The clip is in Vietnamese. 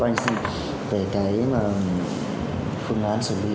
anh xin về cái phương án xử lý